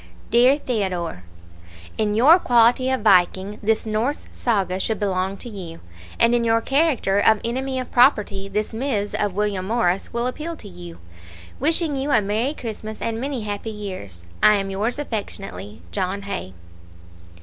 DEAR THEODORE: In your quality of Viking this Norse saga should belong to you, and in your character of Enemy of Property this Ms. of William Morris will appeal to you. Wishing you a Merry Christmas and many happy years, I am yours affectionately, JOHN HAY.